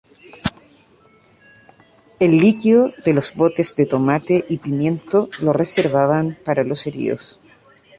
El líquido de los botes de tomate y pimiento lo reservaban para los heridos.